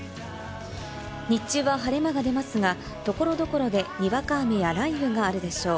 日中は晴れ間が出ますが、所々でにわか雨や雷雨があるでしょう。